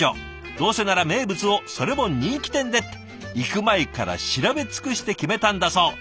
「どうせなら名物をそれも人気店で！」って行く前から調べ尽くして決めたんだそう。